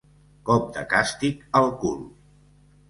Cop de càstig al cul.